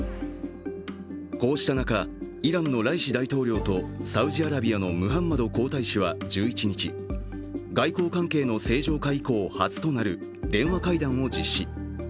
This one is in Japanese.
こうした中、イランのライシ大統領とサウジアラビアのムハンマド皇太子は１１日、外交関係の正常化以降初となる電話会談を実施。